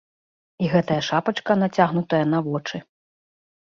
І гэтая шапачка нацягнутая на вочы.